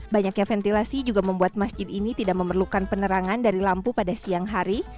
banyaknya ventilasi juga membuat masjid ini tidak memerlukan penerangan dari lampu pada siang hari